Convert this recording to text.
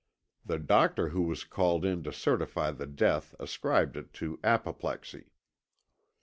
The doctor who was called in to certify the death ascribed it to apoplexy.